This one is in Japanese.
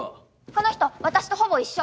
この人私とほぼ一緒。